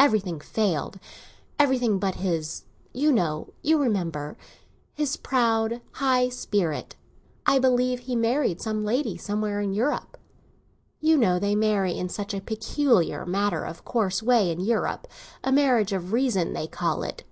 Everything failed; everything but his—you know, you remember—his proud, high spirit. I believe he married some lady somewhere in Europe. You know they marry in such a peculiar matter of course way in Europe; a marriage of reason they call it.